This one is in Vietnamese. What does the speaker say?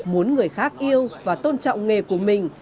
muốn người khác yêu và tôn trọng nghề của mình